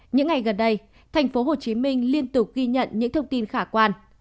những ngày gần đây thành phố hồ chí minh liên tục ghi nhận những thông tin khả quan